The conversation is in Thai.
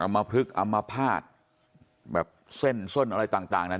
อัมพฤกษ์อัมพาสเส้นส้นอะไรต่างนา